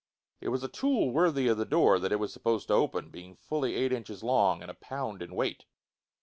It was a tool worthy of the door that it was supposed to open, being fully eight inches long and a pound in weight.